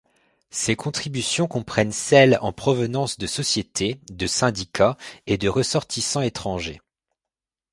Ces contributions comprennent celles en provenance de sociétés, de syndicats et de ressortissants étrangers.